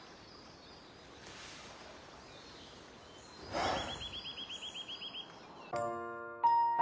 はあ。